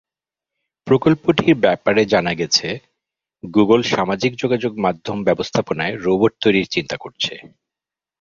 প্রকল্পটির ব্যাপারে জানা গেছে, গুগল সামাজিক যোগাযোগমাধ্যম ব্যবস্থাপনায় রোবট তৈরির চিন্তা করছে।